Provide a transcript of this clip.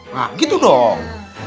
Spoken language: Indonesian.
nah gitu dong